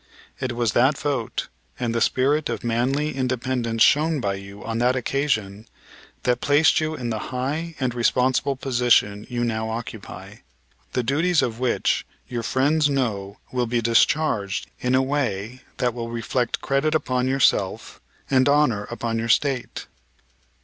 It was that vote and the spirit of manly independence shown by you on that occasion that placed you in the high and responsible position you now occupy, the duties of which your friends know will be discharged in a way that will reflect credit upon yourself and honor upon your State.